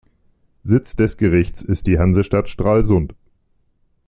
Sitz des Gerichts ist die Hansestadt Stralsund.